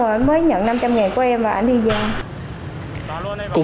rồi mới nhận năm trăm linh ngàn của em và anh đi giao